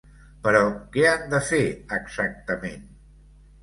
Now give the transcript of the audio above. Però què han de fer, exactament?